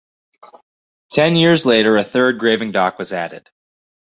Ten years later, a third graving dock was added.